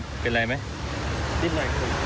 นิดหน่อยครับ